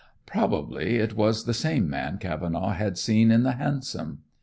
Probably it was the same man Cavenaugh had seen in the hansom.